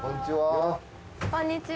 こんにちは。